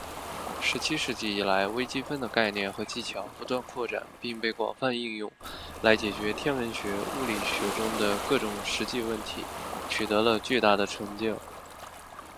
十七世纪以来，微积分的概念和技巧不断扩展并被广泛应用来解决天文学、物理学中的各种实际问题，取得了巨大的成就。